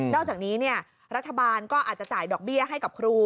อกจากนี้รัฐบาลก็อาจจะจ่ายดอกเบี้ยให้กับครู